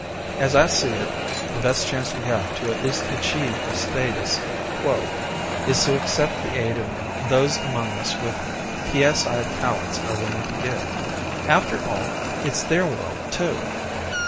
"As I see it, the best chance we have to at least achieve a status quo is to accept the aid those among us with psi talents are willing to give. After all, it's their world, too.